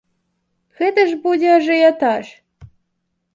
Гэта ж будзе ажыятаж!